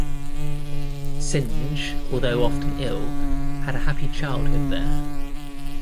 Synge, although often ill, had a happy childhood there.